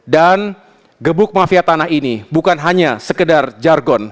dan gebuk mafia tanah ini bukan hanya sekedar jargon